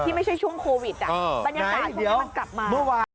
ที่ไม่ใช่ช่วงโควิดบรรยากาศที่มันกลับมา